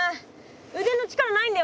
うでの力ないんだよ